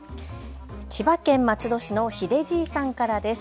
千葉県松戸市のヒデじいさんからです。